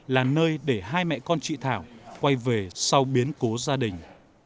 là nơi để hai mẹ con chị thảo quay về sau biến cố gia đình